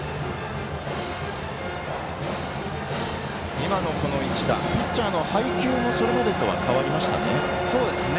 今の一打、ピッチャーの配球もそれまでとは変わりましたね。